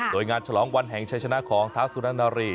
โดยงานฉลองวันแห่งชัยชนะของท้าสุรนารี